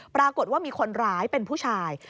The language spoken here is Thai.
ปรากฏว่ามีคนร้ายเป็นผู้ชาย